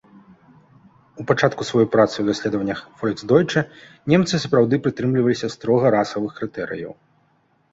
У пачатку сваёй працы ў даследаваннях фольксдойчэ немцы сапраўды прытрымліваліся строга расавых крытэрыяў.